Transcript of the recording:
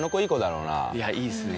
いやいいですね。